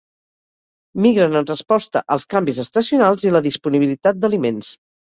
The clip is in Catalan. Migren en resposta als canvis estacionals i la disponibilitat d'aliments.